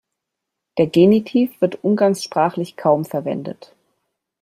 Der Genitiv wird umgangssprachlich kaum verwendet.